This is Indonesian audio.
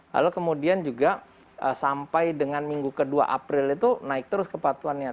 lalu kemudian juga sampai dengan minggu ke dua april itu naik terus kepatuhannya